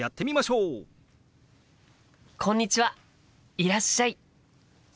いらっしゃい。